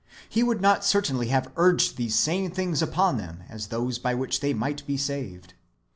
He would not certainly have urged these same things upon them as those by which they might be saved.